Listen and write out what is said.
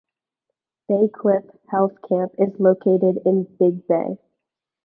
Bay Cliff Health Camp is located in Big Bay.